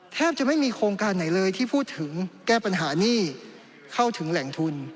แทบจะไม่มีโครงการไหนเลยที่พูดถึงแก้ปัญหาหนี้เข้าถึงแหล่งทุน